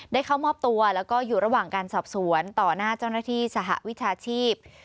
เข้ามอบตัวแล้วก็อยู่ระหว่างการสอบสวนต่อหน้าเจ้าหน้าที่สหวิชาชีพ